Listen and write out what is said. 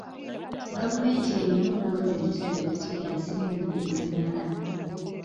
Gavumenti erina okuwa zi disitulikiti ensimbi ezimala.